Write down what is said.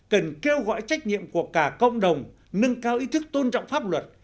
sách giả cần kêu gọi trách nhiệm của cả cộng đồng nâng cao ý thức tôn trọng pháp luật